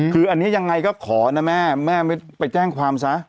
คืออันนี้ยังไงก็ขอนะแม่แม่ไม่ไปแจ้งความซะ